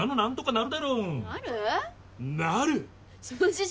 なる！